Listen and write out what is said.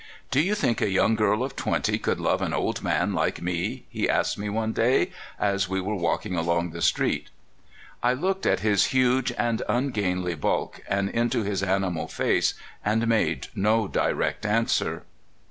'* Do you think a young girl of twenty could love an old man like me?" he asked me one day, as we were walking along the street. I looked at his huge and ungainly bulk, and into his animal face, and made no direct answer.